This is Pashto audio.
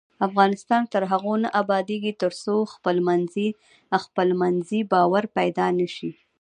افغانستان تر هغو نه ابادیږي، ترڅو خپلمنځي باور پیدا نشي.